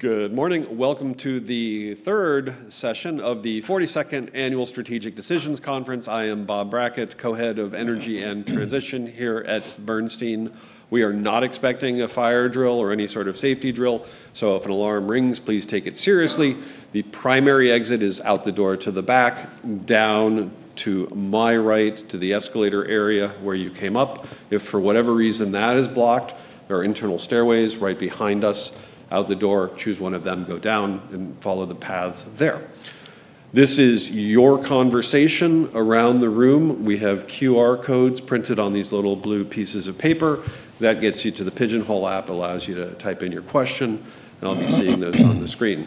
Good morning. Welcome to the Third session of the 42nd Annual Strategic Decisions Conference. I am Bob Brackett, co-head of Energy and Transition here at Bernstein. We are not expecting a fire drill or any sort of safety drill. If an alarm rings, please take it seriously. The primary exit is out the door to the back, down to my right, to the escalator area where you came up. If for whatever reason that is blocked, there are internal stairways right behind us. Out the door, choose one of them, go down, and follow the paths there. This is your conversation around the room. We have QR codes printed on these little blue pieces of paper. That gets you to the Pigeonhole app, allows you to type in your question, and I'll be seeing those on the screen.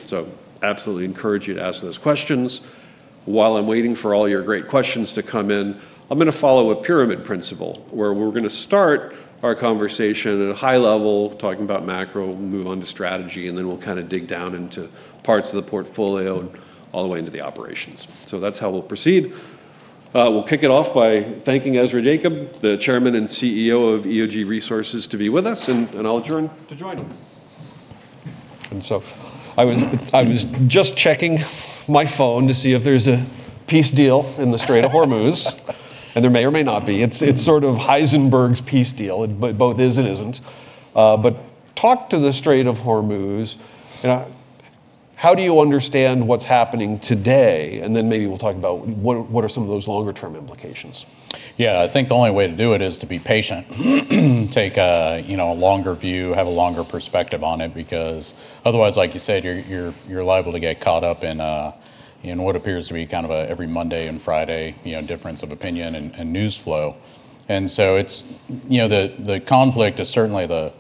Absolutely encourage you to ask those questions. While I'm waiting for all your great questions to come in, I'm going to follow a pyramid principle where we're going to start our conversation at a high level, talking about macro. We'll move on to strategy, then we'll kind of dig down into parts of the portfolio, and all the way into the operations. That's how we'll proceed. We'll kick it off by thanking Ezra Yacob, the Chairman and CEO of EOG Resources, to be with us, and I'll turn to join him. I was just checking my phone to see if there's a peace deal in the Strait of Hormuz. There may or may not be. It's sort of Heisenberg's peace deal. It both is and isn't. Talk to the Strait of Hormuz. How do you understand what's happening today? Maybe we'll talk about what are some of those longer-term implications. Yeah. I think the only way to do it is to be patient. Take a longer view, have a longer perspective on it, because otherwise, like you said, you're liable to get caught up in what appears to be kind of a every Monday and Friday difference of opinion and news flow. The conflict is certainly the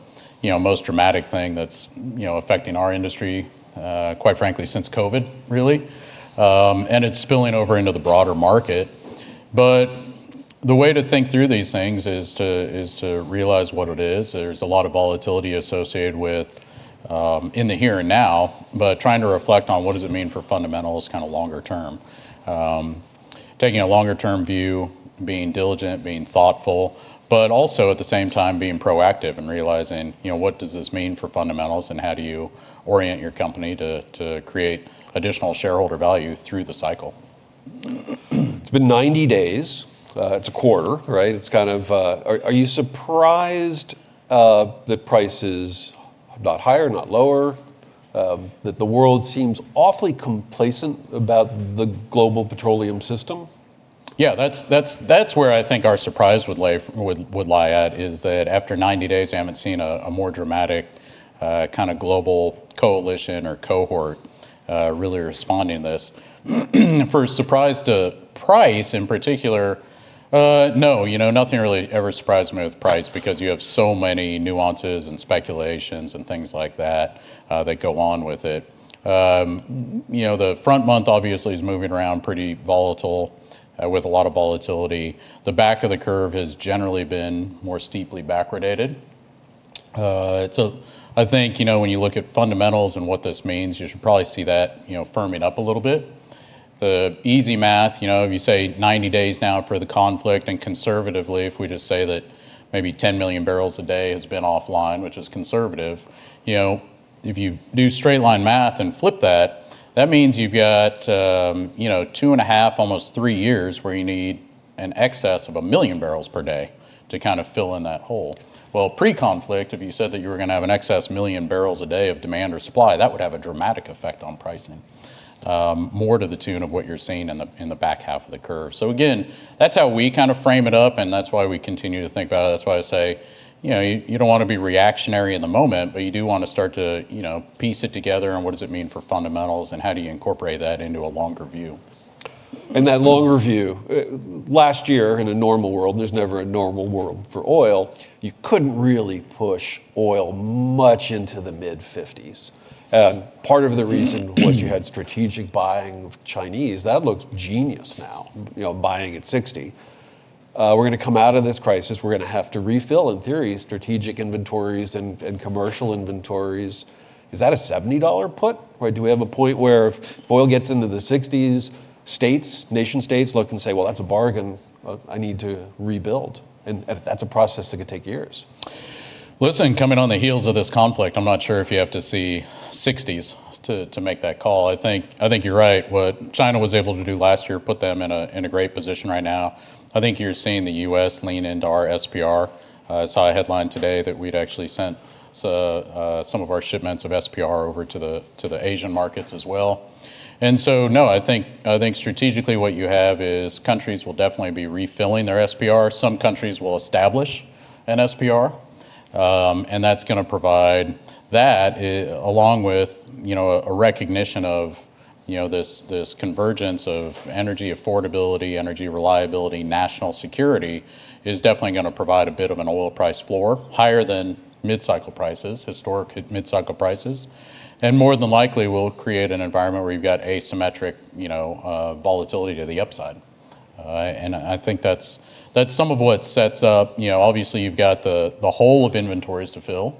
most dramatic thing that's affecting our industry, quite frankly, since COVID, really. It's spilling over into the broader market. The way to think through these things is to realize what it is. There's a lot of volatility associated with in the here and now, but trying to reflect on what does it mean for fundamentals kind of longer term. Taking a longer-term view, being diligent, being thoughtful, but also at the same time, being proactive and realizing what does this mean for fundamentals, and how do you orient your company to create additional shareholder value through the cycle? It's been 90 days. It's a quarter, right? Are you surprised that price is not higher, not lower, that the world seems awfully complacent about the global petroleum system? Yeah, that's where I think our surprise would lie at, is that after 90 days, I haven't seen a more dramatic kind of global coalition or cohort really responding to this. For a surprise to price in particular, no. Nothing really ever surprises me with price because you have so many nuances and speculations and things like that go on with it. The front month, obviously, is moving around pretty volatile, with a lot of volatility. The back of the curve has generally been more steeply backwardated. I think, when you look at fundamentals and what this means, you should probably see that firming up a little bit. The easy math, if you say 90 days now for the conflict, and conservatively, if we just say that maybe 10 million barrels a day has been offline, which is conservative. If you do straight-line math and flip that means you've got two and a half, almost three years, where you need an excess of 1 million barrels per day to kind of fill in that hole. Well, pre-conflict, if you said that you were going to have an excess 1 million barrels a day of demand or supply, that would have a dramatic effect on pricing. More to the tune of what you're seeing in the back half of the curve. Again, that's how we kind of frame it up and that's why we continue to think about it. That's why I say, you don't want to be reactionary in the moment, but you do want to start to piece it together and what does it mean for fundamentals, and how do you incorporate that into a longer view? That longer view, last year in a normal world, and there's never a normal world for oil, you couldn't really push oil much into the mid-50s. Part of the reason was you had strategic buying of Chinese. That looks genius now, buying at $60. We're going to come out of this crisis. We're going to have to refill, in theory, strategic inventories and commercial inventories. Is that a $70 put? Do we have a point where if oil gets into the $60s, states, nation states look and say, "Well, that's a bargain. I need to rebuild." That's a process that could take years. Listen, coming on the heels of this conflict, I'm not sure if you have to see 60s to make that call. I think you're right. What China was able to do last year put them in a great position right now. I think you're seeing the U.S. lean into our SPR. I saw a headline today that we'd actually sent some of our shipments of SPR over to the Asian markets as well. No. I think strategically what you have is countries will definitely be refilling their SPR. Some countries will establish an SPR. That's going to provide that, along with a recognition of this convergence of energy affordability, energy reliability, national security, is definitely going to provide a bit of an oil price floor higher than mid-cycle prices, historic mid-cycle prices. More than likely will create an environment where you've got asymmetric volatility to the upside. I think that's some of what sets up, obviously, you've got the whole of inventories to fill.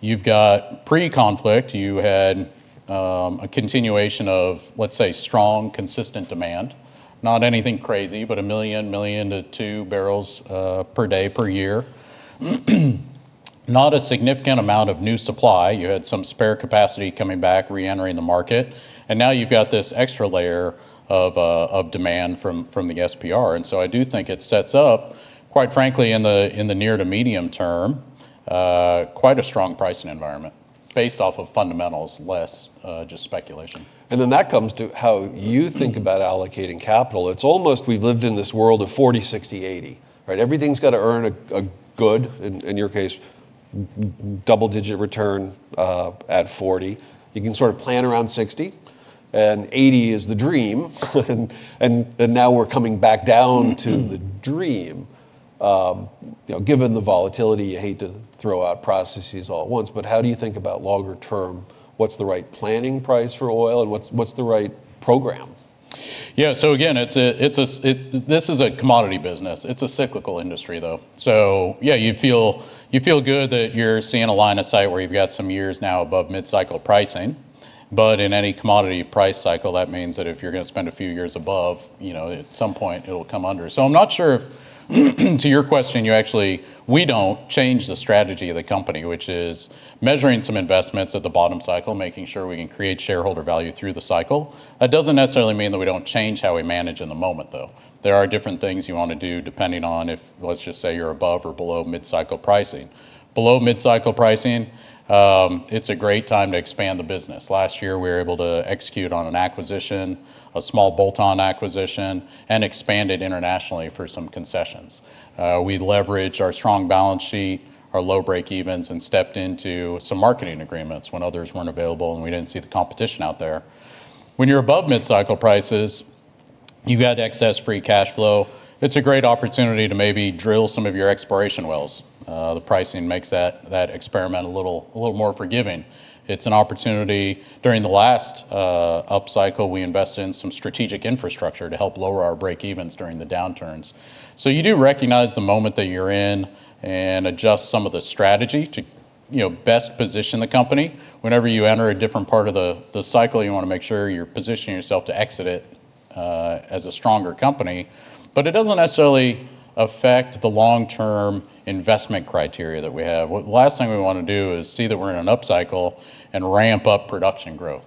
You've got pre-conflict, you had a continuation of, let's say, strong, consistent demand. Not anything crazy, but a million to two barrels per day, per year. Not a significant amount of new supply. You had some spare capacity coming back, re-entering the market, and now you've got this extra layer of demand from the SPR. I do think it sets up, quite frankly, in the near to medium term, quite a strong pricing environment based off of fundamentals, less just speculation. That comes to how you think about allocating capital. It's almost, we've lived in this world of $40, $60, $80, right? Everything's got to earn a good, in your case, double-digit return at $40. You can sort of plan around $60, and $80 is the dream. Now we're coming back down to the dream. Given the volatility, you hate to throw out processes all at once, how do you think about longer term? What's the right planning price for oil, and what's the right program? Yeah. Again, this is a commodity business. It's a cyclical industry, though. Yeah, you feel good that you're seeing a line of sight where you've got some years now above mid-cycle pricing. In any commodity price cycle, that means that if you're going to spend a few years above, at some point, it'll come under. I'm not sure if to your question, we don't change the strategy of the company, which is measuring some investments at the bottom cycle, making sure we can create shareholder value through the cycle. That doesn't necessarily mean that we don't change how we manage in the moment, though. There are different things you want to do depending on if, let's just say, you're above or below mid-cycle pricing. Below mid-cycle pricing, it's a great time to expand the business. Last year, we were able to execute on an acquisition, a small bolt-on acquisition, and expanded internationally for some concessions. We leveraged our strong balance sheet, our low breakevens, and stepped into some marketing agreements when others weren't available and we didn't see the competition out there. When you're above mid-cycle prices, you've got excess free cash flow. It's a great opportunity to maybe drill some of your exploration wells. The pricing makes that experiment a little more forgiving. It's an opportunity. During the last upcycle, we invested in some strategic infrastructure to help lower our breakevens during the downturns. You do recognize the moment that you're in and adjust some of the strategy to best position the company. Whenever you enter a different part of the cycle, you want to make sure you're positioning yourself to exit it as a stronger company. It doesn't necessarily affect the long-term investment criteria that we have. Last thing we want to do is see that we're in an upcycle and ramp up production growth.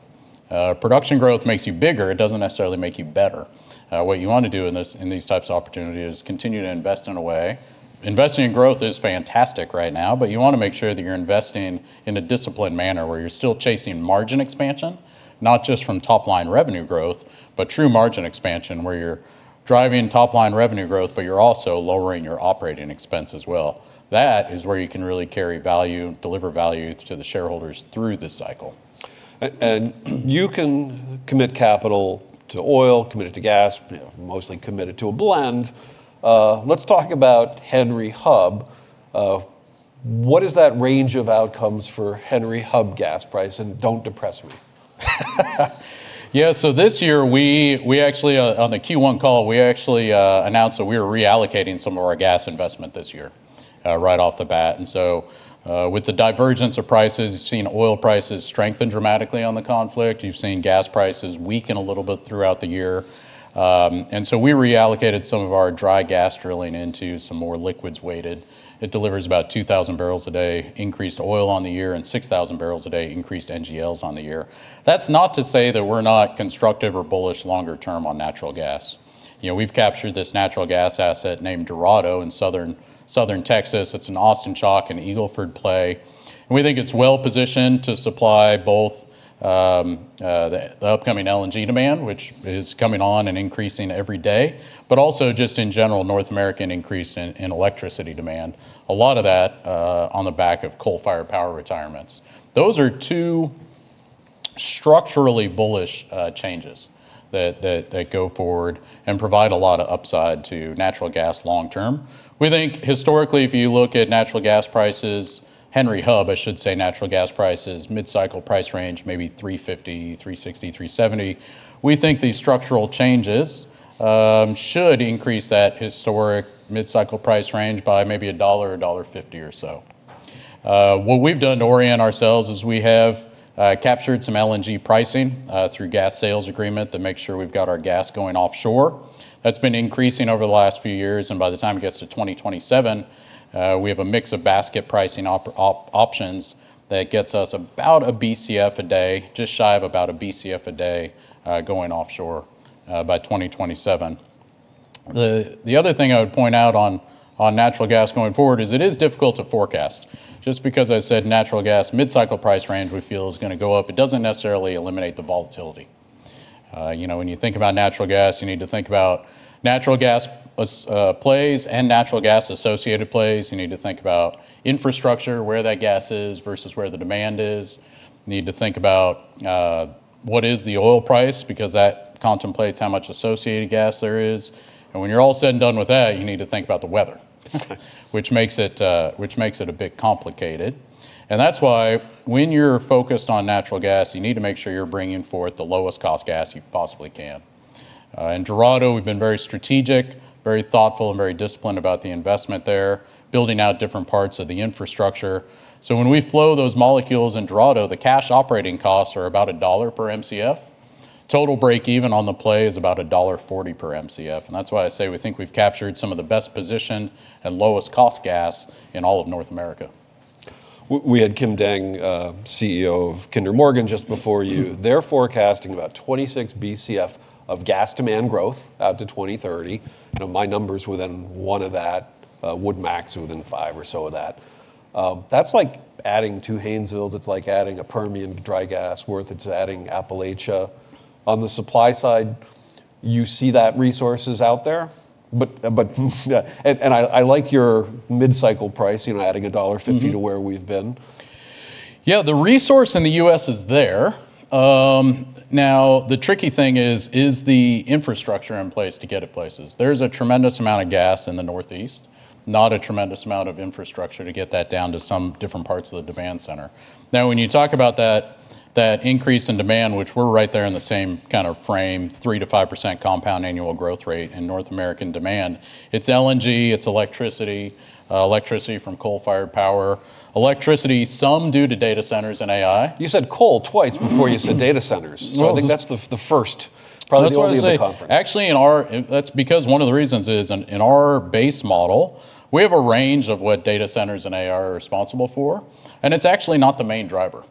Production growth makes you bigger. It doesn't necessarily make you better. What you want to do in these types of opportunities is continue to invest in a way. Investing in growth is fantastic right now, but you want to make sure that you're investing in a disciplined manner where you're still chasing margin expansion, not just from top-line revenue growth, but true margin expansion, where you're driving top-line revenue growth, but you're also lowering your operating expense as well. That is where you can really carry value and deliver value to the shareholders through this cycle. You can commit capital to oil, commit it to gas, mostly commit it to a blend. Let's talk about Henry Hub. What is that range of outcomes for Henry Hub gas price? Don't depress me. Yeah, this year, on the Q1 call, we actually announced that we are reallocating some of our gas investment this year right off the bat. With the divergence of prices, you've seen oil prices strengthen dramatically on the conflict. You've seen gas prices weaken a little bit throughout the year. We reallocated some of our dry gas drilling into some more liquids-weighted. It delivers about 2,000 bpd increased oil on the year and 6,000 bpd increased NGLs on the year. That's not to say that we're not constructive or bullish longer term on natural gas. We've captured this natural gas asset named Dorado in Southern Texas. It's an Austin Chalk and Eagle Ford play. We think it's well positioned to supply both the upcoming LNG demand, which is coming on and increasing every day, but also, just in general, North American increase in electricity demand, a lot of that on the back of coal-fired power retirements. Those are two structurally bullish changes that go forward and provide a lot of upside to natural gas long term. We think historically, if you look at natural gas prices, Henry Hub, I should say natural gas prices, mid-cycle price range, maybe $3.50, $3.60, $3.70. We think these structural changes should increase that historic mid-cycle price range by maybe $1, or $1.50 or so. What we've done to orient ourselves is we have captured some LNG pricing through gas sales agreement to make sure we've got our gas going offshore. That's been increasing over the last few years, and by the time it gets to 2027, we have a mix of basket pricing options that gets us about a BCF a day, just shy of about a BCF a day, going offshore by 2027. The other thing I would point out on natural gas going forward is it is difficult to forecast. Just because I said natural gas mid-cycle price range we feel is going to go up, it doesn't necessarily eliminate the volatility. When you think about natural gas, you need to think about natural gas plays and natural gas associated plays. You need to think about infrastructure, where that gas is versus where the demand is. You need to think about what is the oil price, because that contemplates how much associated gas there is. When you're all said and done with that, you need to think about the weather. Which makes it a bit complicated. That's why when you're focused on natural gas, you need to make sure you're bringing forth the lowest cost gas you possibly can. In Dorado, we've been very strategic, very thoughtful, and very disciplined about the investment there, building out different parts of the infrastructure. When we flow those molecules in Dorado, the cash operating costs are about $1 per Mcf. Total breakeven on the play is about $1.40 per Mcf. That's why I say we think we've captured some of the best position and lowest cost gas in all of North America. We had Kim Dang, CEO of Kinder Morgan, just before you. They're forecasting about 26 Bcf of gas demand growth out to 2030. My number's within one of that, would max within five or so of that. That's like adding two Haynesvilles. It's like adding a Permian dry gas worth. It's adding Appalachia. On the supply side, you see that resource is out there. I like your mid-cycle price, adding a $1.50 to where we've been. Yeah, the resource in the U.S. is there. Now, the tricky thing is the infrastructure in place to get it places? There's a tremendous amount of gas in the Northeast, not a tremendous amount of infrastructure to get that down to some different parts of the demand center. Now, when you talk about that increase in demand, which we're right there in the same kind of frame, 3%-5% compound annual growth rate in North American demand. It's LNG, it's electricity from coal-fired power, electricity some due to data centers and AI. You said coal twice before you said data centers. I think that's the first, probably the only at the conference. Actually, that's because one of the reasons is in our base model, we have a range of what data centers and AI are responsible for, and it's actually not the main driver.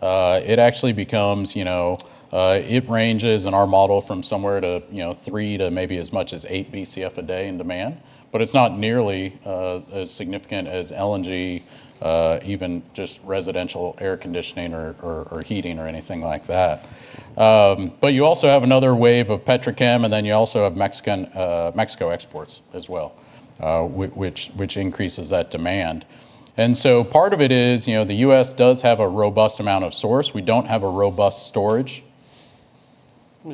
It ranges in our model from somewhere to three to maybe as much as eight BCF a day in demand, but it's not nearly as significant as LNG, even just residential air conditioning or heating or anything like that. You also have another wave of petrochem, and then you also have Mexico exports as well, which increases that demand. Part of it is, the U.S. does have a robust amount of source. We don't have a robust storage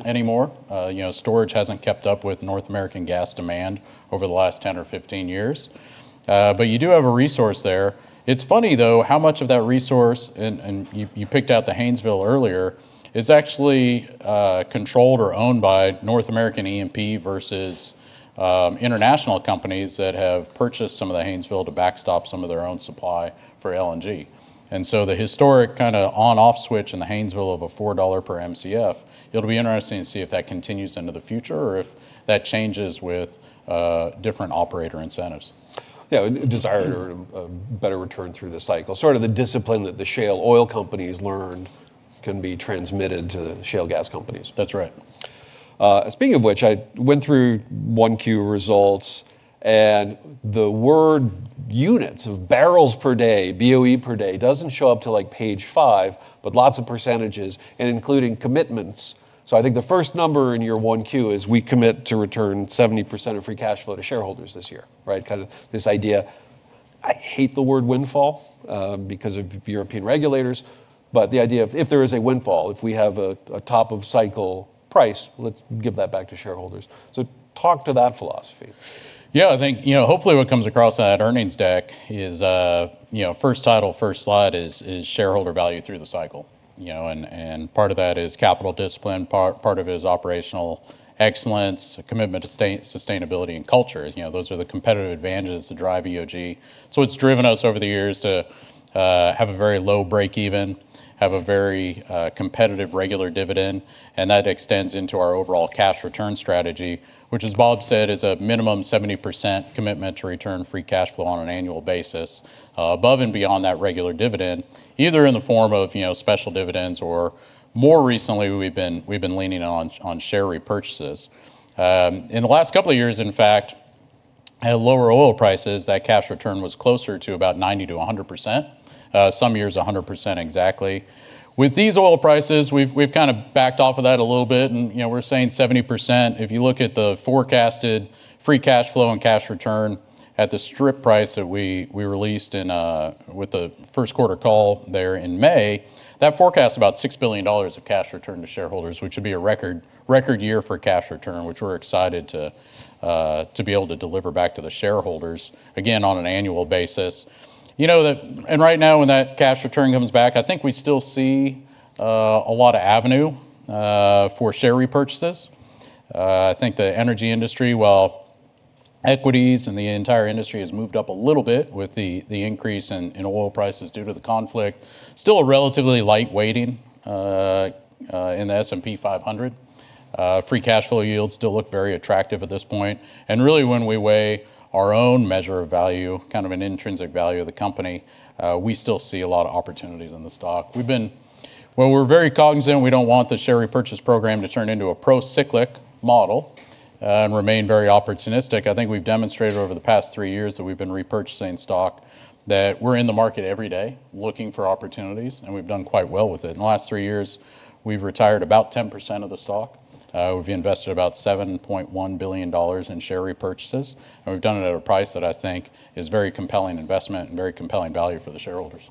anymore. Storage hasn't kept up with North American gas demand over the last 10 or 15 years. You do have a resource there. It's funny, though, how much of that resource, and you picked out the Haynesville earlier, is actually controlled or owned by North American E&P versus international companies that have purchased some of the Haynesville to backstop some of their own supply for LNG. The historic kind of on/off switch in the Haynesville of a $4 per Mcf, it'll be interesting to see if that continues into the future or if that changes with different operator incentives. A desire to better return through the cycle. Sort of the discipline that the shale oil companies learned can be transmitted to the shale gas companies. That's right. Speaking of which, I went through 1Q results, and the word units of barrels per day, BOE per day, doesn't show up till page five, but lots of percentages, and including commitments. I think the first number in your 1Q is, "We commit to return 70% of free cash flow to shareholders this year." Right? Kind of this idea, I hate the word windfall because of European regulators, but the idea of if there is a windfall, if we have a top of cycle price, let's give that back to shareholders. Talk to that philosophy. Yeah, I think hopefully what comes across on that earnings deck is first title, first slide is shareholder value through the cycle. Part of that is capital discipline, part of it is operational excellence, a commitment to sustainability and culture. Those are the competitive advantages that drive EOG. It's driven us over the years to have a very low breakeven, have a very competitive, regular dividend, and that extends into our overall cash return strategy, which as Bob said, is a minimum 70% commitment to return free cash flow on an annual basis above and beyond that regular dividend, either in the form of special dividends or more recently, we've been leaning on share repurchases. In the last couple of years, in fact, at lower oil prices, that cash return was closer to about 90%-100%, some years, 100% exactly. With these oil prices, we've kind of backed off of that a little bit, and we're saying 70%. If you look at the forecasted free cash flow and cash return at the strip price that we released with the first quarter call there in May, that forecasts about $6 billion of cash return to shareholders, which would be a record year for cash return, which we're excited to be able to deliver back to the shareholders, again, on an annual basis. Right now, when that cash return comes back, I think we still see a lot of avenue for share repurchases. I think the energy industry, while equities and the entire industry has moved up a little bit with the increase in oil prices due to the conflict, still a relatively light weighting in the S&P 500. Free cash flow yields still look very attractive at this point. Really when we weigh our own measure of value, kind of an intrinsic value of the company, we still see a lot of opportunities in the stock. Well, we're very cognizant we don't want the share repurchase program to turn into a pro-cyclic model and remain very opportunistic. I think we've demonstrated over the past three years that we've been repurchasing stock, that we're in the market every day looking for opportunities, and we've done quite well with it. In the last three years, we've retired about 10% of the stock. We've invested about $7.1 billion in share repurchases, and we've done it at a price that I think is very compelling investment and very compelling value for the shareholders.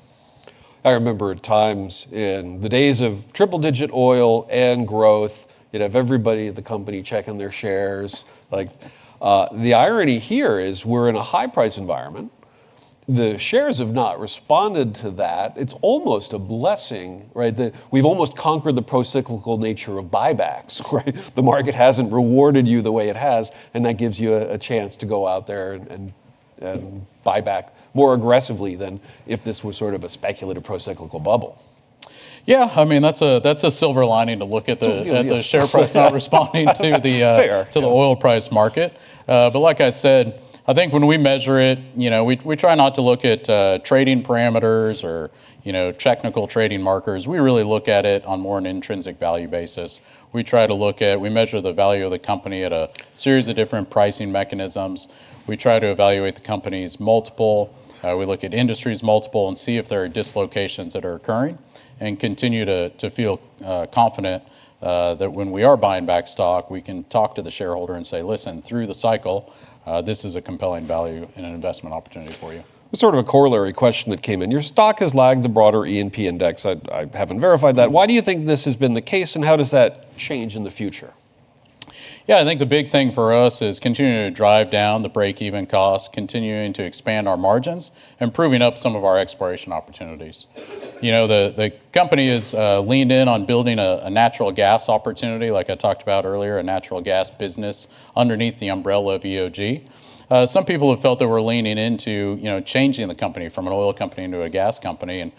I remember times in the days of triple digit oil and growth, you'd have everybody at the company checking their shares. The irony here is we're in a high price environment. The shares have not responded to that. It's almost a blessing, right? We've almost conquered the pro-cyclical nature of buybacks, right? That gives you a chance to go out there and buy back more aggressively than if this was sort of a speculative pro-cyclical bubble. Yeah. That's a silver lining to look at the share price not responding. Fair To the oil price market. Like I said, I think when we measure it, we try not to look at trading parameters or technical trading markers. We really look at it on more an intrinsic value basis. We measure the value of the company at a series of different pricing mechanisms. We try to evaluate the company's multiple. We look at industry's multiple and see if there are dislocations that are occurring, and continue to feel confident that when we are buying back stock, we can talk to the shareholder and say, "Listen, through the cycle, this is a compelling value and an investment opportunity for you. There's sort of a corollary question that came in. Your stock has lagged the broader E&P index. I haven't verified that. Why do you think this has been the case, and how does that change in the future? Yeah. I think the big thing for us is continuing to drive down the break-even cost, continuing to expand our margins, and proving up some of our exploration opportunities. The company has leaned in on building a natural gas opportunity, like I talked about earlier, a natural gas business underneath the umbrella of EOG. Some people have felt that we're leaning into changing the company from an oil company to a gas company, and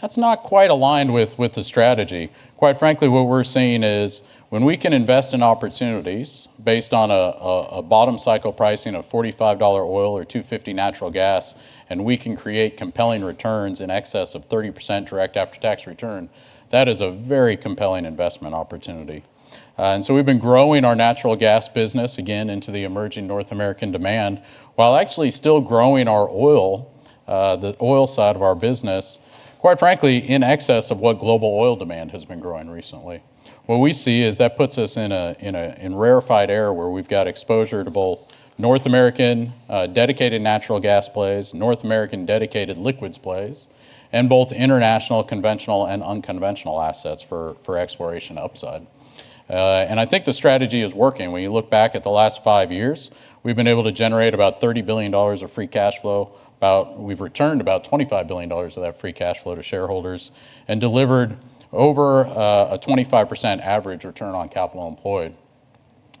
that's not quite aligned with the strategy. Quite frankly, what we're seeing is when we can invest in opportunities based on a bottom cycle pricing of $45 oil or $250 natural gas, and we can create compelling returns in excess of 30% direct after-tax return, that is a very compelling investment opportunity. We've been growing our natural gas business again into the emerging North American demand, while actually still growing our oil, the oil side of our business, quite frankly, in excess of what global oil demand has been growing recently. What we see is that puts us in rarefied air where we've got exposure to both North American dedicated natural gas plays, North American dedicated liquids plays, and both international conventional and unconventional assets for exploration upside. I think the strategy is working. When you look back at the last five years, we've been able to generate about $30 billion of free cash flow. We've returned about $25 billion of that free cash flow to shareholders and delivered over a 25% average return on capital employed.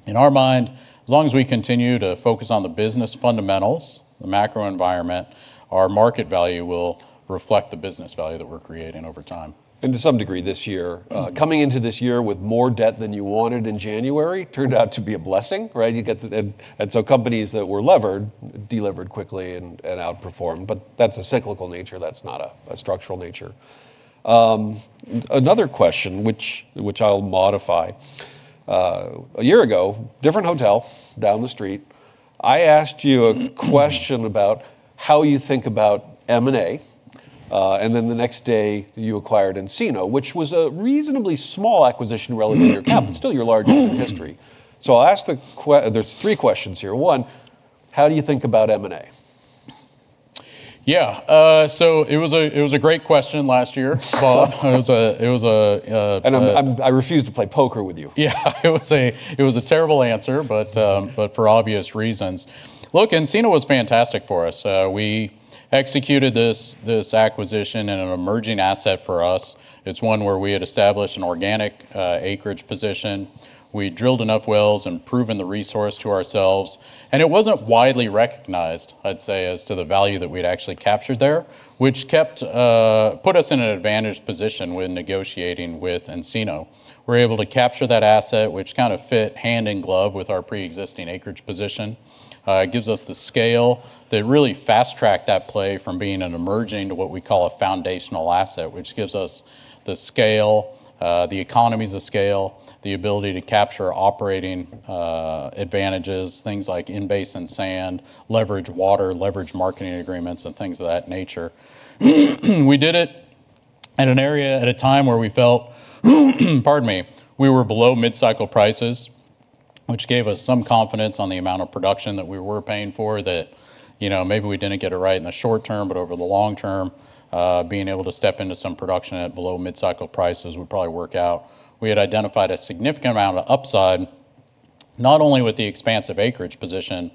In our mind, as long as we continue to focus on the business fundamentals, the macro environment, our market value will reflect the business value that we're creating over time. To some degree this year. Coming into this year with more debt than you wanted in January turned out to be a blessing, right? Companies that were levered delivered quickly and outperformed, but that's a cyclical nature. That's not a structural nature. Another question, which I'll modify. A year ago, different hotel down the street, I asked you a question about how you think about M&A. The next day, you acquired Encino, which was a reasonably small acquisition relative to your cap, but still your largest in history. There's three questions here. One, how do you think about M&A? Yeah. It was a great question last year, Bob. I refuse to play poker with you. It was a terrible answer, but for obvious reasons. Look, Encino was fantastic for us. We executed this acquisition in an emerging asset for us. It's one where we had established an organic acreage position. We drilled enough wells and proven the resource to ourselves, and it wasn't widely recognized, I'd say, as to the value that we'd actually captured there. Which put us in an advantaged position when negotiating with Encino. We're able to capture that asset, which kind of fit hand in glove with our preexisting acreage position. It gives us the scale that really fast-tracked that play from being an emerging to what we call a foundational asset, which gives us the scale, the economies of scale, the ability to capture operating advantages, things like in-basin sand, leverage water, leverage marketing agreements, and things of that nature. We did it at an area at a time where we felt, pardon me, we were below mid-cycle prices, which gave us some confidence on the amount of production that we were paying for that maybe we didn't get it right in the short term, but over the long term, being able to step into some production at below mid-cycle prices would probably work out. We had identified a significant amount of upside, not only with the expansive acreage position,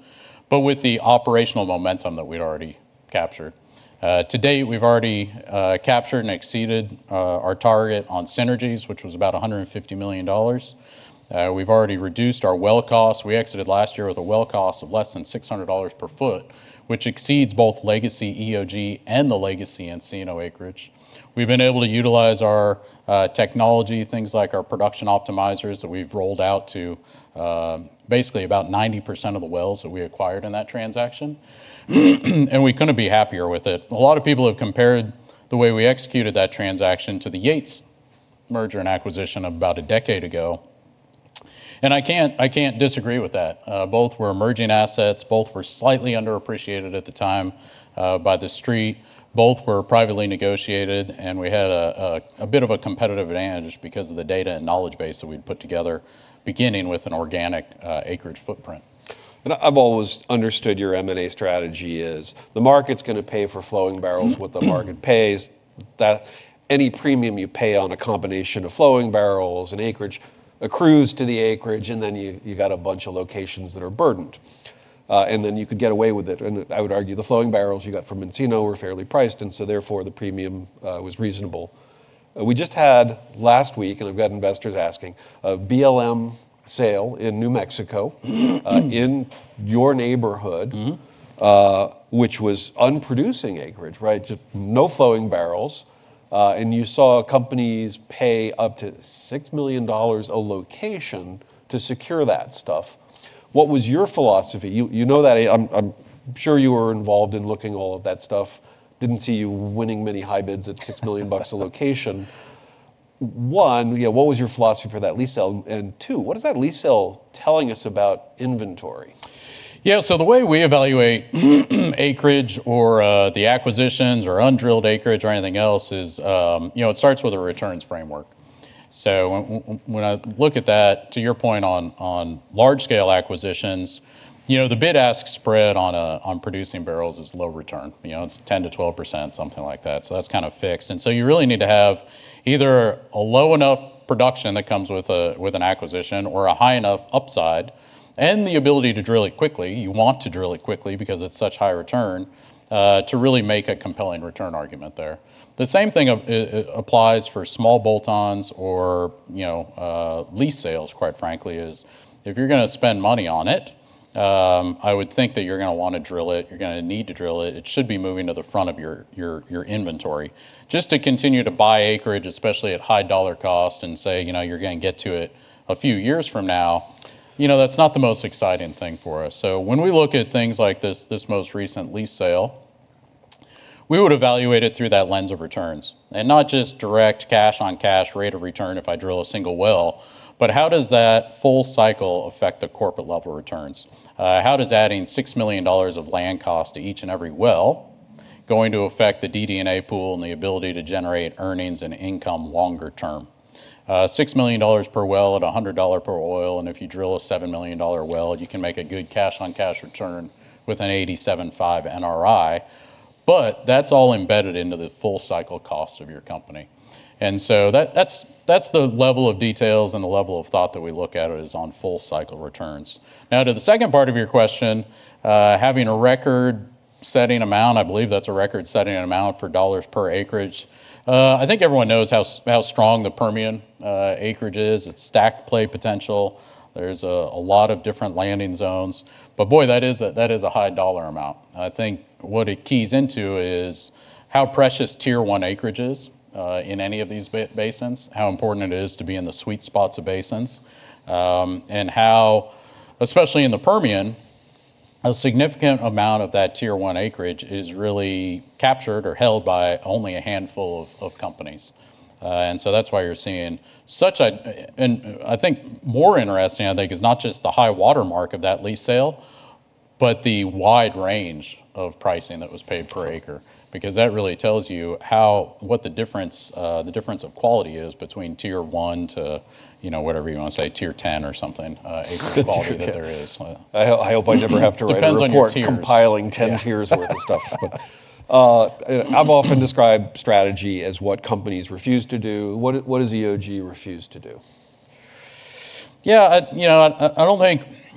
but with the operational momentum that we'd already captured. To date, we've already captured and exceeded our target on synergies, which was about $150 million. We've already reduced our well cost. We exited last year with a well cost of less than $600 per foot, which exceeds both legacy EOG and the legacy Encino acreage. We've been able to utilize our technology, things like our production optimizers that we've rolled out to basically about 90% of the wells that we acquired in that transaction. We couldn't be happier with it. A lot of people have compared the way we executed that transaction to the Yates merger and acquisition of about a decade ago. I can't disagree with that. Both were emerging assets. Both were slightly underappreciated at the time by the Street. Both were privately negotiated, and we had a bit of a competitive advantage because of the data and knowledge base that we'd put together, beginning with an organic acreage footprint. I've always understood your M&A strategy is the market's going to pay for flowing barrels what the market pays, that any premium you pay on a combination of flowing barrels and acreage accrues to the acreage, and then you got a bunch of locations that are burdened. Then you could get away with it, and I would argue the flowing barrels you got from Encino were fairly priced, and so therefore, the premium was reasonable. We just had last week, and I've got investors asking, a BLM sale in New Mexico in your neighborhood. which was unproducing acreage, right? Just no flowing barrels. You saw companies pay up to $6 million a location to secure that stuff. What was your philosophy? I'm sure you were involved in looking at all of that stuff. Didn't see you winning many high bids at $6 million a location. One, yeah, what was your philosophy for that lease sale? Two, what is that lease sale telling us about inventory? Yeah, the way we evaluate acreage or the acquisitions or undrilled acreage or anything else is, it starts with a returns framework. When I look at that, to your point on large-scale acquisitions, the bid-ask spread on producing barrels is low return. It's 10%-12%, something like that. That's kind of fixed. You really need to have either a low enough production that comes with an acquisition or a high enough upside and the ability to drill it quickly, you want to drill it quickly because it's such high return, to really make a compelling return argument there. The same thing applies for small bolt-ons or lease sales, quite frankly, is if you're going to spend money on it, I would think that you're going to want to drill it, you're going to need to drill it. It should be moving to the front of your inventory. Just to continue to buy acreage, especially at high dollar cost, and say you're going to get to it a few years from now, that's not the most exciting thing for us. When we look at things like this most recent lease sale, we would evaluate it through that lens of returns. Not just direct cash on cash rate of return if I drill a single well, but how does that full cycle affect the corporate level returns? How does adding $6 million of land cost to each and every well going to affect the DD&A pool and the ability to generate earnings and income longer term? $6 million per well at $100 per oil, and if you drill a $7 million well, you can make a good cash on cash return with an 87.5 NRI, but that's all embedded into the full cycle cost of your company. That's the level of details and the level of thought that we look at it as on full cycle returns. Now to the second part of your question, having a record-setting amount, I believe that's a record-setting amount for dollars per acreage. I think everyone knows how strong the Permian acreage is. It's stack play potential. There's a lot of different landing zones. Boy, that is a high dollar amount. I think what it keys into is how precious Tier 1 acreage is in any of these basins, how important it is to be in the sweet spots of basins, and how, especially in the Permian, a significant amount of that Tier 1 acreage is really captured or held by only a handful of companies. That's why you're seeing. I think more interesting, I think, is not just the high watermark of that lease sale, but the wide range of pricing that was paid per acre, because that really tells you what the difference of quality is between Tier 1 to whatever you want to say, Tier 10. Good Acreage quality that there is. I hope I never have to. Depends on your tiers. a report compiling 10 Tiers worth of stuff. I've often described strategy as what companies refuse to do. What does EOG refuse to do? Yeah.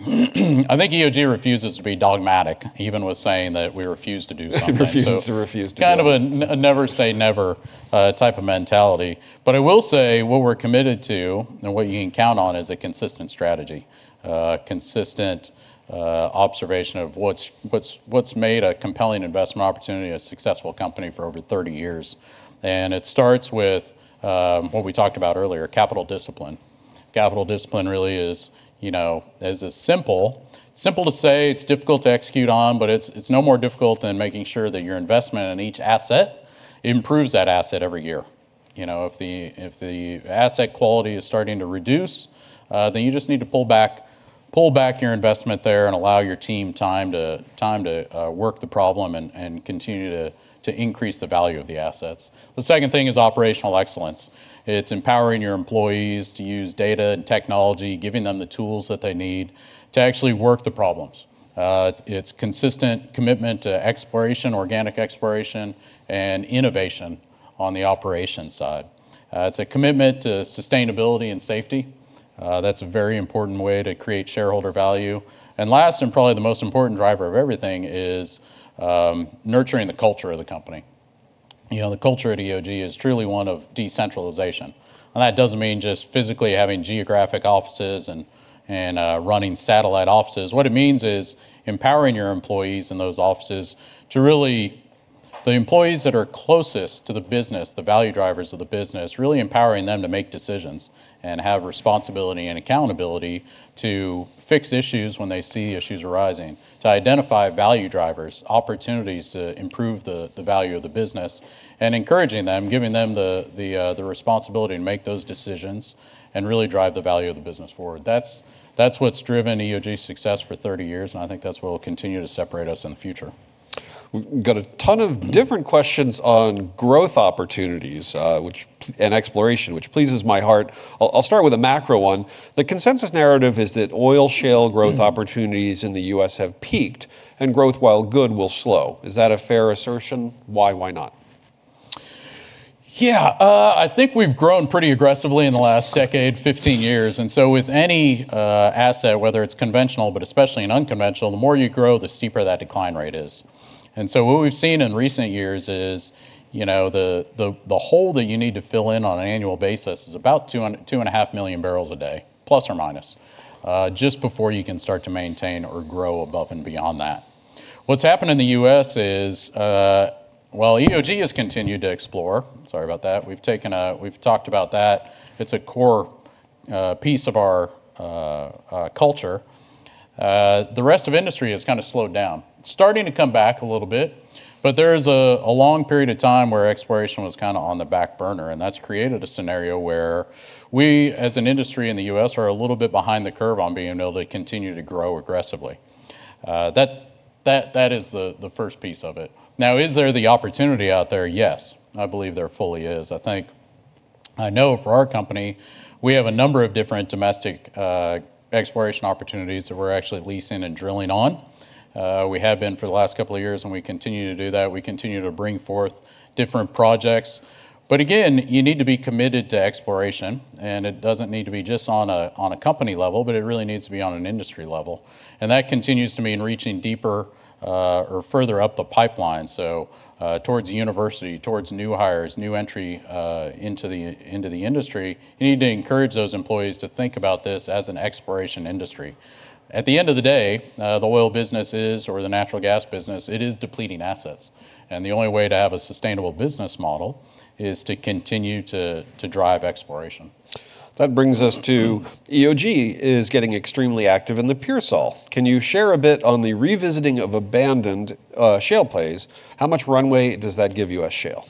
I think EOG refuses to be dogmatic, even with saying that we refuse to do something. Refuses to refuse to do it. Kind of a never say never type of mentality. I will say what we're committed to, and what you can count on, is a consistent strategy. Consistent observation of what's made a compelling investment opportunity, a successful company for over 30 years. It starts with what we talked about earlier, capital discipline. Capital discipline really is as simple to say, it's difficult to execute on, but it's no more difficult than making sure that your investment in each asset improves that asset every year. If the asset quality is starting to reduce, then you just need to pull back your investment there and allow your team time to work the problem and continue to increase the value of the assets. The second thing is operational excellence. It's empowering your employees to use data and technology, giving them the tools that they need to actually work the problems. It's consistent commitment to exploration, organic exploration, and innovation on the operations side. It's a commitment to sustainability and safety. That's a very important way to create shareholder value. Last, and probably the most important driver of everything is nurturing the culture of the company. The culture at EOG is truly one of decentralization. That doesn't mean just physically having geographic offices and running satellite offices. What it means is empowering your employees in those offices, the employees that are closest to the business, the value drivers of the business, really empowering them to make decisions and have responsibility and accountability to fix issues when they see issues arising, to identify value drivers, opportunities to improve the value of the business, and encouraging them, giving them the responsibility to make those decisions and really drive the value of the business forward. That's what's driven EOG's success for 30 years, and I think that's what will continue to separate us in the future. We've got a ton of different questions on growth opportunities, and exploration, which pleases my heart. I'll start with a macro one. The consensus narrative is that oil shale growth opportunities in the U.S. have peaked, and growth, while good, will slow. Is that a fair assertion? Why? Why not? Yeah. I think we've grown pretty aggressively in the last decade, 15 years. With any asset, whether it's conventional, but especially in unconventional, the more you grow, the steeper that decline rate is. What we've seen in recent years is the hole that you need to fill in on an annual basis is about 2.5 million barrels a day, plus or minus, just before you can start to maintain or grow above and beyond that. What's happened in the U.S. is, well, EOG has continued to explore. Sorry about that. We've talked about that. It's a core piece of our culture. The rest of industry has kind of slowed down. It's starting to come back a little bit, but there's a long period of time where exploration was on the back burner, and that's created a scenario where we, as an industry in the U.S., are a little bit behind the curve on being able to continue to grow aggressively. That is the first piece of it. Is there the opportunity out there? Yes. I believe there fully is. I know for our company, we have a number of different domestic exploration opportunities that we're actually leasing and drilling on. We have been for the last couple of years, and we continue to do that. We continue to bring forth different projects. Again, you need to be committed to exploration, and it doesn't need to be just on a company level, but it really needs to be on an industry level. That continues to mean reaching deeper, or further up the pipeline, so towards university, towards new hires, new entry into the industry. You need to encourage those employees to think about this as an exploration industry. At the end of the day, the oil business is, or the natural gas business, it is depleting assets. The only way to have a sustainable business model is to continue to drive exploration. That brings us to EOG is getting extremely active in the Piceance. Can you share a bit on the revisiting of abandoned shale plays? How much runway does that give U.S. shale?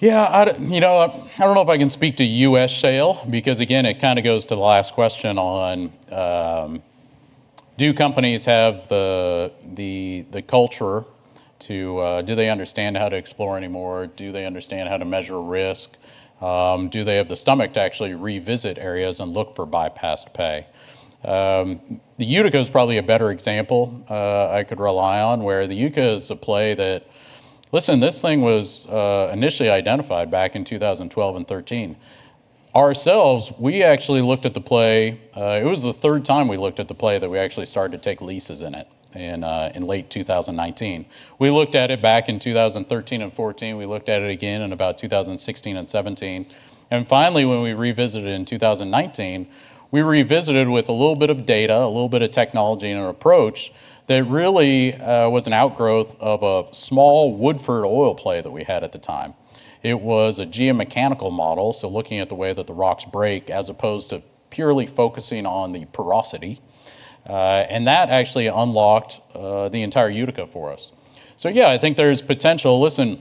Yeah. I don't know if I can speak to U.S. shale, because again, it kind of goes to the last question on do companies have the culture. Do they understand how to explore anymore? Do they understand how to measure risk? Do they have the stomach to actually revisit areas and look for bypassed pay? The Utica is probably a better example I could rely on, where the Utica is a play that Listen, this thing was initially identified back in 2012 and 2013. Ourselves, we actually looked at the play. It was the third time we looked at the play that we actually started to take leases in it, in late 2019. We looked at it back in 2013 and 2014. We looked at it again in about 2016 and 2017. Finally, when we revisited it in 2019, we revisited with a little bit of data, a little bit of technology in our approach, that really was an outgrowth of a small Woodford oil play that we had at the time. It was a geomechanical model, so looking at the way that the rocks break as opposed to purely focusing on the porosity. That actually unlocked the entire Utica for us. Yeah, I think there's potential. Listen,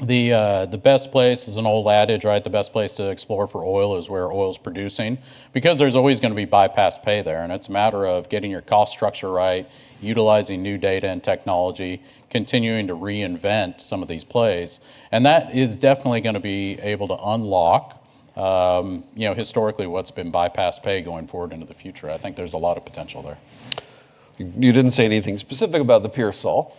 the best place is an old adage. The best place to explore for oil is where oil's producing. There's always going to be bypass pay there, and it's a matter of getting your cost structure right, utilizing new data and technology, continuing to reinvent some of these plays. That is definitely going to be able to unlock historically what's been bypassed pay going forward into the future. I think there's a lot of potential there. You didn't say anything specific about the Piceance.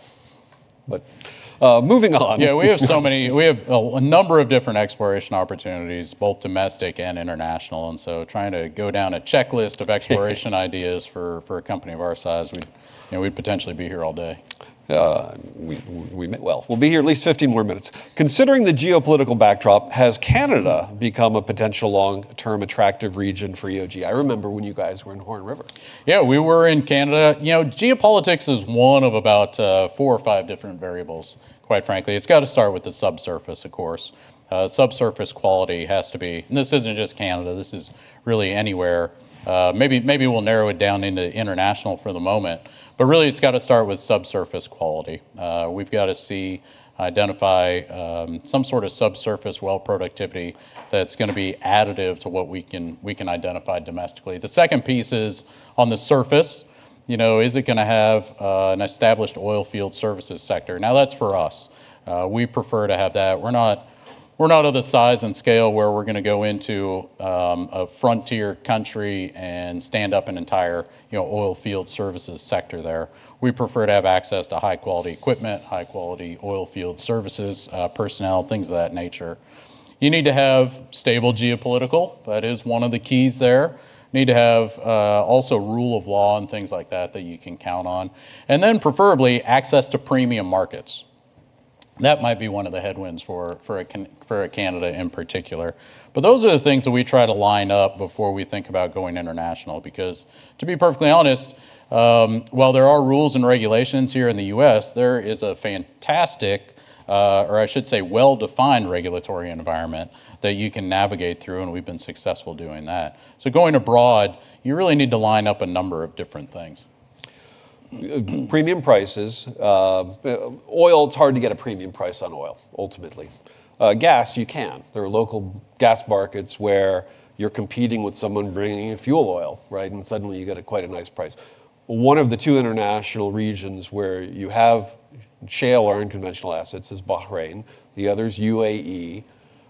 Moving on. Yeah, we have a number of different exploration opportunities, both domestic and international. Trying to go down a checklist of exploration ideas for a company of our size, we'd potentially be here all day. Well, we'll be here at least 50 more minutes. Considering the geopolitical backdrop, has Canada become a potential long-term attractive region for EOG? I remember when you guys were in Horn River. Yeah, we were in Canada. Geopolitics is one of about four or five different variables, quite frankly. It's got to start with the subsurface, of course. Subsurface quality has to be, and this isn't just Canada, this is really anywhere. Maybe we'll narrow it down into international for the moment, but really it's got to start with subsurface quality. We've got to see, identify some sort of subsurface well productivity that's going to be additive to what we can identify domestically. The second piece is on the surface. Is it going to have an established oil field services sector? Now, that's for us. We prefer to have that. We're not of the size and scale where we're going to go into a frontier country and stand up an entire oil field services sector there. We prefer to have access to high-quality equipment, high-quality oil field services, personnel, things of that nature. You need to have stable geopolitical. That is one of the keys there. You need to have also rule of law and things like that that you can count on. Then preferably, access to premium markets. That might be one of the headwinds for Canada in particular. Those are the things that we try to line up before we think about going international. To be perfectly honest, while there are rules and regulations here in the U.S., there is a fantastic, or I should say well-defined regulatory environment that you can navigate through, and we've been successful doing that. Going abroad, you really need to line up a number of different things. Premium prices. Oil, it's hard to get a premium price on oil, ultimately. Gas, you can. There are local gas markets where you're competing with someone bringing in fuel oil, and suddenly you get quite a nice price. One of the two international regions where you have shale or unconventional assets is Bahrain. The other is UAE.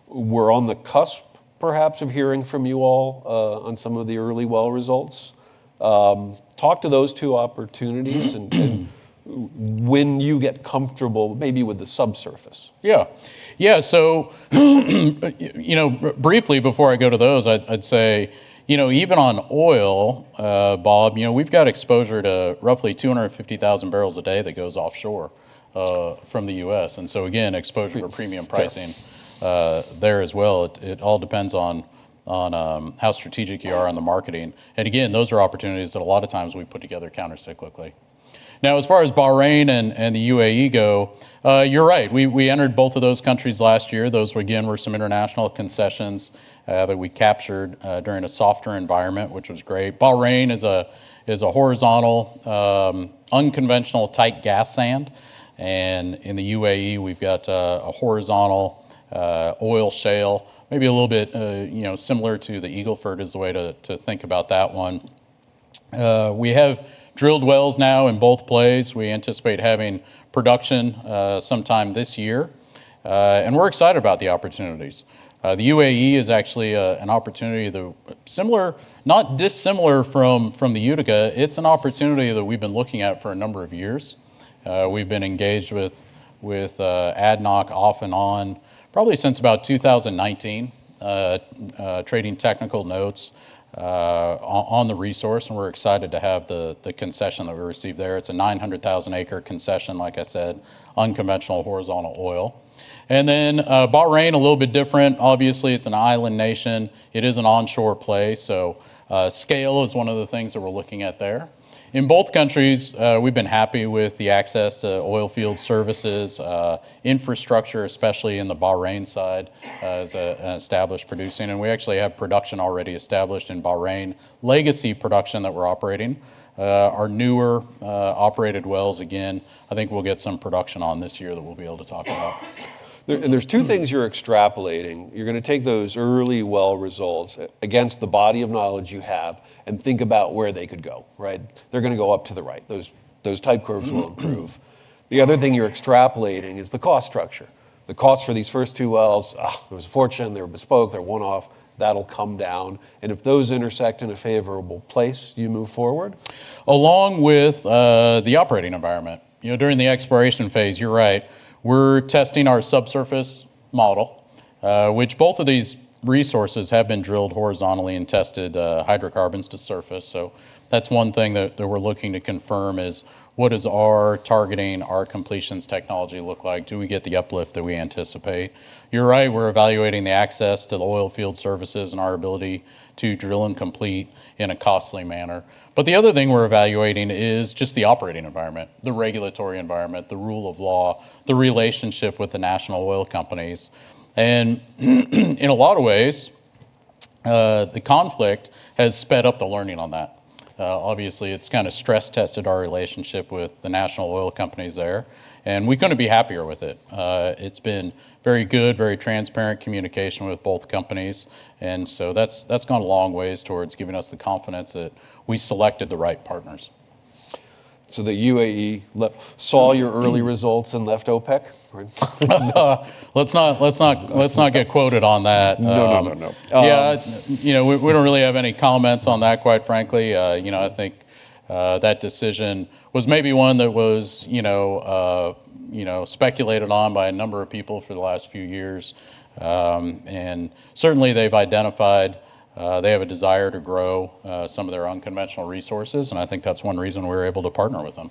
We're on the cusp, perhaps, of hearing from you all on some of the early well results. Talk to those two opportunities and when you get comfortable, maybe with the subsurface. Yeah. Briefly, before I go to those, I'd say, even on oil, Bob Brackett, we've got exposure to roughly 250,000 bdp that goes offshore from the U.S. Again, exposure to premium pricing there as well. It all depends on how strategic you are on the marketing. Again, those are opportunities that a lot of times we put together counter-cyclically. Now, as far as Bahrain and the UAE go, you're right. We entered both of those countries last year. Those, again, were some international concessions that we captured during a softer environment, which was great. Bahrain is a horizontal, unconventional tight gas sand. In the UAE we've got a horizontal oil shale, maybe a little bit similar to the Eagle Ford is the way to think about that one. We have drilled wells now in both plays. We anticipate having production sometime this year. We're excited about the opportunities. The UAE is actually an opportunity, similar, not dissimilar from the Utica. It's an opportunity that we've been looking at for a number of years. We've been engaged with ADNOC off and on probably since about 2019, trading technical notes on the resource, and we're excited to have the concession that we received there. It's a 900,000-acre concession, like I said, unconventional horizontal oil. Then Bahrain, a little bit different. Obviously, it's an island nation. It is an onshore play, so scale is one of the things that we're looking at there. In both countries, we've been happy with the access to oil field services, infrastructure, especially in the Bahrain side as an established producing, and we actually have production already established in Bahrain, legacy production that we're operating. Our newer operated wells, again, I think we'll get some production on this year that we'll be able to talk about. There's two things you're extrapolating. You're going to take those early well results against the body of knowledge you have and think about where they could go. Right? They're going to go up to the right. Those type curves will improve. The other thing you're extrapolating is the cost structure. The cost for these first two wells, it was a fortune, they were bespoke, they're one-off. That'll come down. If those intersect in a favorable place, you move forward? Along with the operating environment. During the exploration phase, you're right. We're testing our subsurface model, which both of these resources have been drilled horizontally and tested hydrocarbons to surface. That's one thing that we're looking to confirm is what does our targeting, our completions technology look like. Do we get the uplift that we anticipate? You're right, we're evaluating the access to the oil field services and our ability to drill and complete in a costly manner. The other thing we're evaluating is just the operating environment, the regulatory environment, the rule of law, the relationship with the national oil companies. In a lot of ways, the conflict has sped up the learning on that. Obviously, it's kind of stress tested our relationship with the national oil companies there, and we couldn't be happier with it. It's been very good, very transparent communication with both companies, and so that's gone a long ways towards giving us the confidence that we selected the right partners. The UAE saw your early results and left OPEC? Right? Let's not get quoted on that. No. Yeah. We don't really have any comments on that, quite frankly. I think that decision was maybe one that was speculated on by a number of people for the last few years. Certainly they've identified they have a desire to grow some of their unconventional resources, and I think that's one reason we were able to partner with them.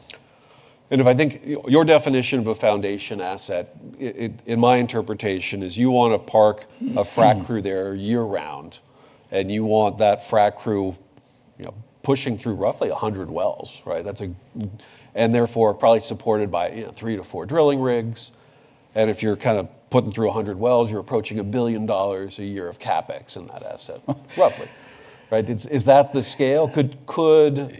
If I think, your definition of a foundation asset, in my interpretation is you want to park a frac crew there year-round, and you want that frac crew pushing through roughly 100 wells. Right? Therefore, probably supported by three to four drilling rigs. If you're kind of putting through 100 wells, you're approaching $1 billion a year of CapEx in that asset. Roughly. Right? Is that the scale?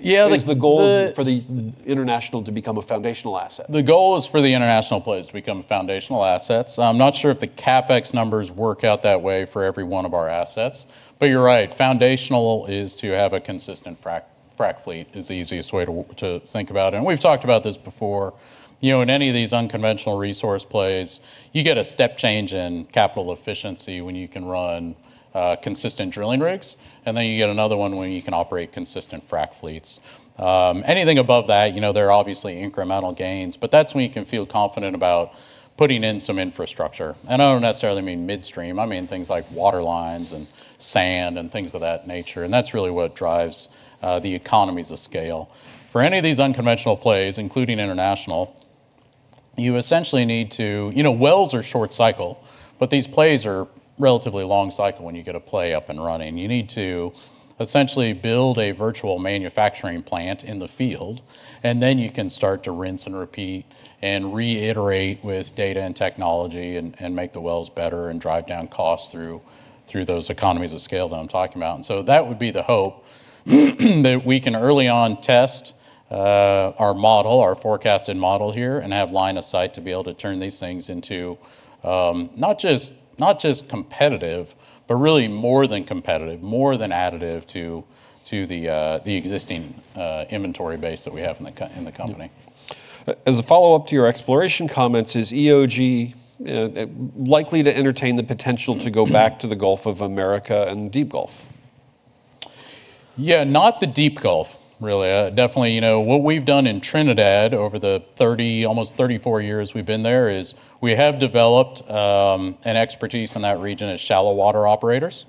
Yeah. Is the goal for the international to become a foundational asset? The goal is for the international plays to become foundational assets. I'm not sure if the CapEx numbers work out that way for every one of our assets. You're right, foundational is to have a consistent frac fleet is the easiest way to think about it. We've talked about this before. In any of these unconventional resource plays, you get a step change in capital efficiency when you can run consistent drilling rigs, and then you get another one when you can operate consistent frac fleets. Anything above that, there are obviously incremental gains, but that's when you can feel confident about putting in some infrastructure. I mean things like water lines and sand and things of that nature. That's really what drives the economies of scale. For any of these unconventional plays, including international, you essentially wells are short cycle, but these plays are relatively long cycle when you get a play up and running. You need to essentially build a virtual manufacturing plant in the field, then you can start to rinse and repeat and reiterate with data and technology and make the wells better and drive down costs through those economies of scale that I'm talking about. That would be the hope that we can early on test our model, our forecasted model here, and have line of sight to be able to turn these things into, not just competitive, but really more than competitive, more than additive to the existing inventory base that we have in the company. As a follow-up to your exploration comments, is EOG likely to entertain the potential to go back to the Gulf of Mexico and the Deep Gulf? Yeah, not the Deep Gulf, really. Definitely, what we've done in Trinidad over the 30, almost 34 years we've been there is we have developed an expertise in that region as shallow water operators.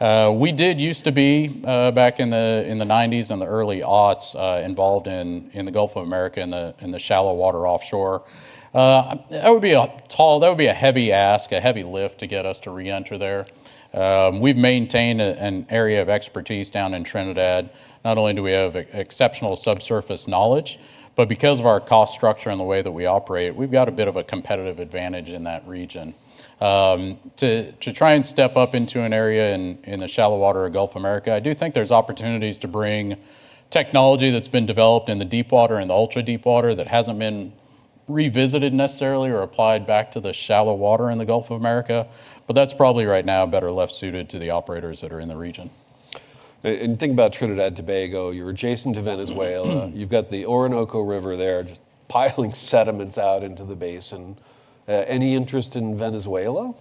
We did used to be, back in the 90s and the early 00s, involved in the Gulf of Mexico in the shallow water offshore. That would be a heavy ask, a heavy lift to get us to reenter there. We've maintained an area of expertise down in Trinidad. Not only do we have exceptional subsurface knowledge, but because of our cost structure and the way that we operate, we've got a bit of a competitive advantage in that region. To try and step up into an area in the shallow water of the Gulf of Mexico, I do think there's opportunities to bring technology that's been developed in the deep water and the ultra deep water that hasn't been revisited necessarily or applied back to the shallow water in the Gulf of Mexico. That's probably right now better left suited to the operators that are in the region. Think about Trinidad Tobago. You're adjacent to Venezuela. You've got the Orinoco River there just piling sediments out into the basin. Any interest in Venezuela?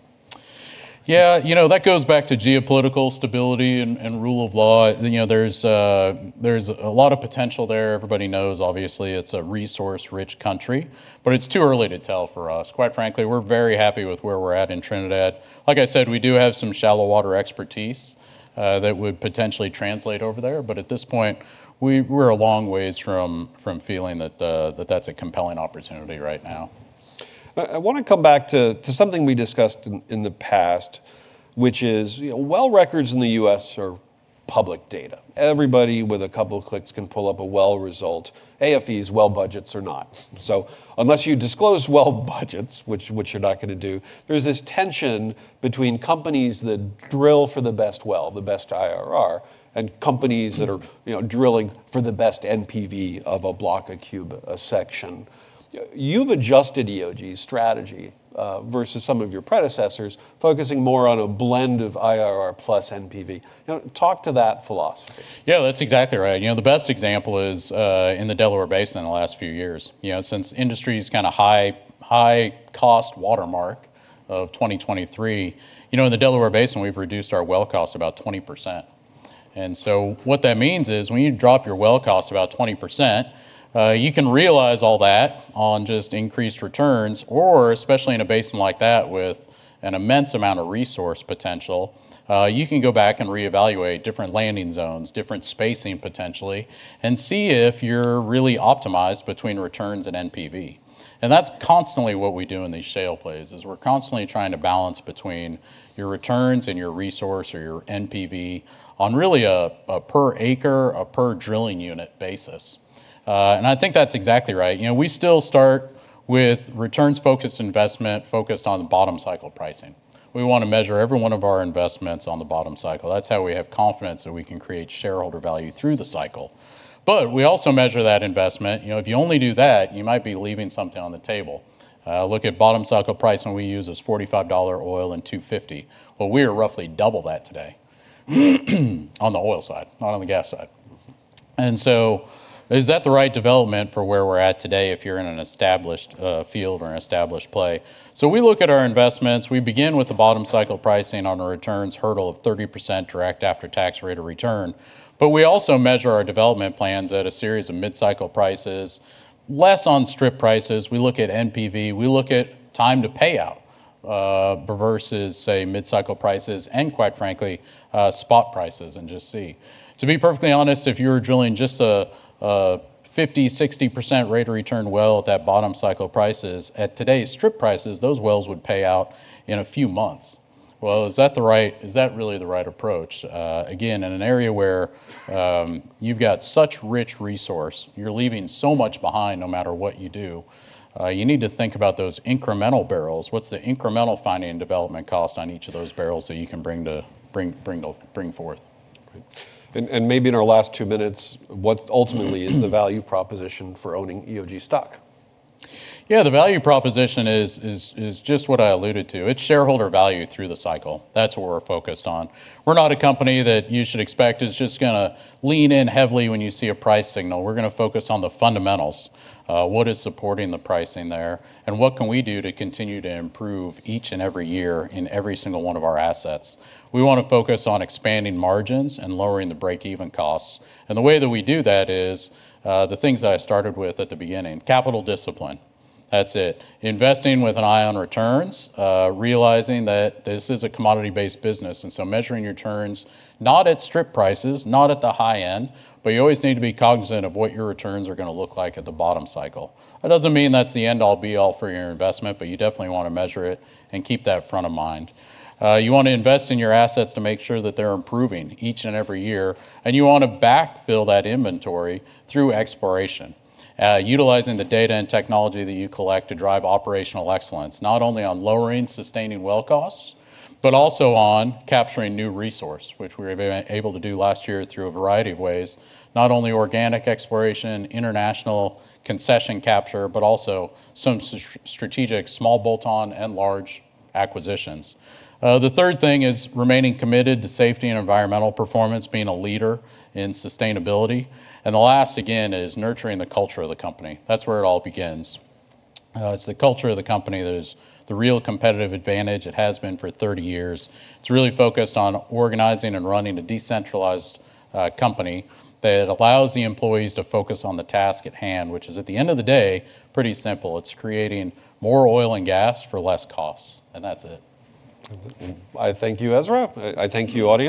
Yeah. That goes back to geopolitical stability and rule of law. There's a lot of potential there. Everybody knows, obviously, it's a resource-rich country, but it's too early to tell for us. Quite frankly, we're very happy with where we're at in Trinidad. Like I said, we do have some shallow water expertise that would potentially translate over there, but at this point, we're a long ways from feeling that that's a compelling opportunity right now. I want to come back to something we discussed in the past, which is well records in the U.S. are public data. Everybody with a couple clicks can pull up a well result, AFEs, well budgets or not. Unless you disclose well budgets, which you're not going to do, there's this tension between companies that drill for the best well, the best IRR, and companies that are drilling for the best NPV of a block, a cube, a section. You've adjusted EOG's strategy versus some of your predecessors, focusing more on a blend of IRR plus NPV. Talk to that philosophy. Yeah, that's exactly right. The best example is in the Delaware Basin in the last few years. Since industry's kind of high cost watermark of 2023, in the Delaware Basin, we've reduced our well cost about 20%. What that means is when you drop your well cost about 20%, you can realize all that on just increased returns, or especially in a basin like that with an immense amount of resource potential, you can go back and reevaluate different landing zones, different spacing potentially, and see if you're really optimized between returns and NPV. That's constantly what we do in these shale plays is we're constantly trying to balance between your returns and your resource or your NPV on really a per acre, a per drilling unit basis. I think that's exactly right. We still start with returns-focused investment focused on bottom cycle pricing. We want to measure every one of our investments on the bottom cycle. That's how we have confidence that we can create shareholder value through the cycle. We also measure that investment. If you only do that, you might be leaving something on the table. Look at bottom cycle pricing we use is $45 oil and $2.50. Well, we are roughly double that today on the oil side, not on the gas side. Is that the right development for where we're at today if you're in an established field or an established play? We look at our investments. We begin with the bottom cycle pricing on a returns hurdle of 30% direct after-tax rate of return. We also measure our development plans at a series of mid-cycle prices. Less on strip prices. We look at NPV, we look at time to payout versus, say, mid-cycle prices and, quite frankly, spot prices and just see. To be perfectly honest, if you were drilling just a 50%, 60% rate of return well at that bottom cycle prices, at today's strip prices, those wells would pay out in a few months. Well, is that really the right approach? Again, in an area where you've got such rich resource, you're leaving so much behind no matter what you do. You need to think about those incremental barrels. What's the incremental finding and development cost on each of those barrels that you can bring forth? Maybe in our last two minutes, what ultimately is the value proposition for owning EOG stock? Yeah, the value proposition is just what I alluded to. It's shareholder value through the cycle. That's what we're focused on. We're not a company that you should expect is just going to lean in heavily when you see a price signal. We're going to focus on the fundamentals. What is supporting the pricing there, and what can we do to continue to improve each and every year in every single one of our assets? We want to focus on expanding margins and lowering the break-even costs. The way that we do that is the things that I started with at the beginning, capital discipline. That's it. Investing with an eye on returns, realizing that this is a commodity-based business, and so measuring returns, not at strip prices, not at the high end, but you always need to be cognizant of what your returns are going to look like at the bottom cycle. That doesn't mean that's the end-all be-all for your investment, but you definitely want to measure it and keep that front of mind. You want to invest in your assets to make sure that they're improving each and every year, and you want to backfill that inventory through exploration. Utilizing the data and technology that you collect to drive operational excellence, not only on lowering sustaining well costs, but also on capturing new resource, which we were able to do last year through a variety of ways. Not only organic exploration, international concession capture, but also some strategic small bolt-on and large acquisitions. The third thing is remaining committed to safety and environmental performance, being a leader in sustainability. The last, again, is nurturing the culture of the company. That's where it all begins. It's the culture of the company that is the real competitive advantage. It has been for 30 years. It's really focused on organizing and running a decentralized company that allows the employees to focus on the task at hand, which is, at the end of the day, pretty simple. It's creating more oil and gas for less costs, that's it. I thank you, Ezra. I thank you, audience.